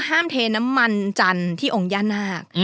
๒ห้ามเทน้ำมันจันทร์ที่ยานาค